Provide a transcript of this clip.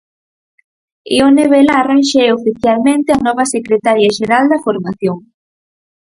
Ione Belarra xa é oficialmente a nova secretaria xeral da formación.